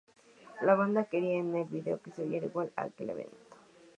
La banda quería que el vídeo se viera igual a aquel evento.